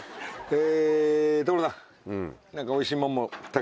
え。